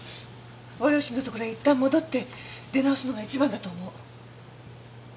ご両親のところへいったん戻って出直すのが一番だと思う。